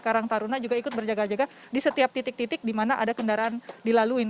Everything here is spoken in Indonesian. karang taruna juga ikut berjaga jaga di setiap titik titik di mana ada kendaraan dilaluin